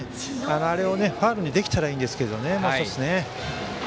あれをファウルにできたらいいんですけどね。